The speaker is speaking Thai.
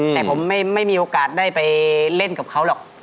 แต่ผมไม่มีโอกาสได้ไปเล่นกับเขาหรอก